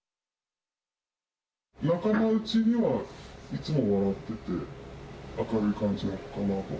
仲間うちにはいつも笑ってて、明るい感じの子だなと。